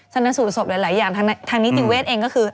สรรค์สูตรศพหรือหลายอย่างทางนี้จริงเวทย์เองก็คือ